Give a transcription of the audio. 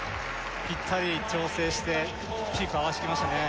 ピッタリ調整してピークを合わせてきましたね